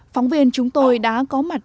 phóng viên chúng tôi đã có mặt